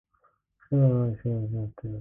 くせのない司会が持ち味になってる